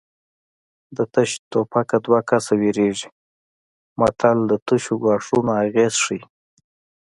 د تش ټوپکه دوه کسه ویرېږي متل د تشو ګواښونو اغېز ښيي